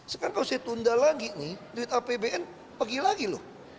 sekarang kalau saya tunda lagi nih duit apbn pergi lagi loh